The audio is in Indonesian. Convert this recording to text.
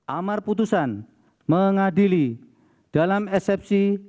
amar putusan mengadili dalam eksepsi